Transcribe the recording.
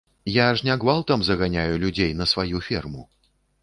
Я ж не гвалтам заганяю людзей на сваю ферму.